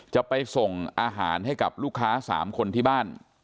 จะไปส่งอาหารให้กับลูกค้า๓คนที่บ้าน